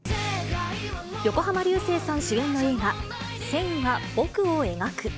横浜流星さん主演の映画、線は、僕を描く。